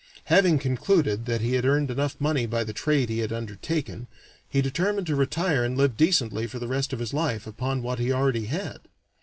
Having concluded that he had earned enough money by the trade he had undertaken, he determined to retire and live decently for the rest of his life upon what he already had.